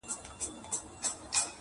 د مېږیانو وې جرګې او مجلسونه؛